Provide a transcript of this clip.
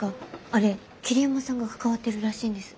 あれ桐山さんが関わってるらしいんです。